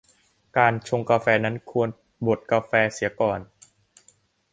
การชงกาแฟนั้น ควรบดกาแฟเสียก่อน